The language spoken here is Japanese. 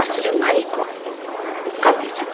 蒲原さん